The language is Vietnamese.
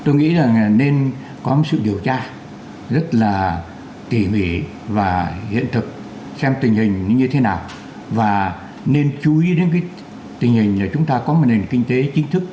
tôi nghĩ là nên có một sự điều tra rất là tỉ mỉ và hiện thực xem tình hình như thế nào và nên chú ý đến cái tình hình là chúng ta có một nền kinh tế chính thức